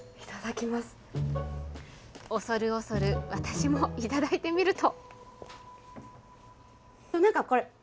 恐る恐る、私も頂いてみると。